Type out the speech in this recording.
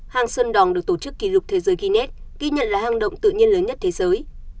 hang sơn đòn được tổ chức kỷ lục thế giới guinness ghi nhận là hang động tự nhiên lớn nhất thế giới